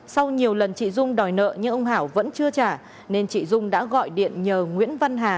sau nhiều lần chị dung đòi nợ nhưng ông hảo vẫn chưa trả nên chị dung đã gọi điện nhờ nguyễn văn hà